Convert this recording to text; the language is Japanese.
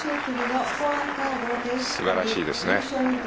素晴らしいですね。